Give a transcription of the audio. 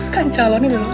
kan calonnya belum ambil